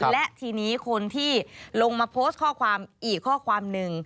และทีนี้คนที่ลงมาโพสต์ข้อความอีกข้อความหนึ่ง